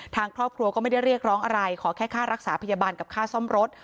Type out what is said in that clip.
ทางครอบครัวก็ไม่ได้เรียกร้องอะไรขอแค่ค่ารักษาพยาบาลกับค่าซ่อมรถ